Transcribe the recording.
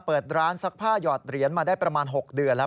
เปิดร้านซักผ้าหยอดเหรียญมาได้ประมาณ๖เดือนแล้ว